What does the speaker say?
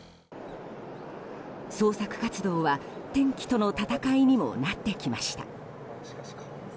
捜索活動は天気との戦いにもなってきました。